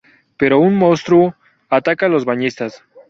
Pero un monstruo ataca a los bañistas...